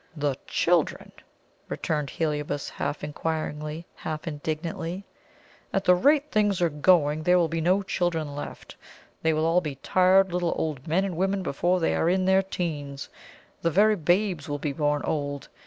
"The children!" returned Heliobas, half inquiringly, half indignantly. "At the rate things are going, there will soon be no children left; they will all be tired little old men and women before they are in their teens. The very babes will be born old.